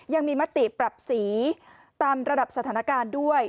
ยังมีมติปรับสีตามระดับสถานการณ์ด้วย